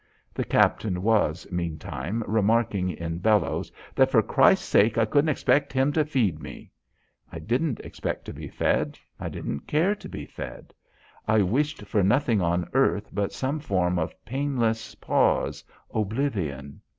The captain was, meantime, remarking in bellows that, for Christ's sake, I couldn't expect him to feed me. I didn't expect to be fed. I didn't care to be fed. I wished for nothing on earth but some form of painless pause, oblivion.